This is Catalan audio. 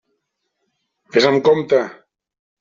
Vés amb compte!